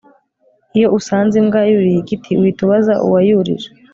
iyo usanze imbwa yuriye igiti, uhita ubaza uwayurije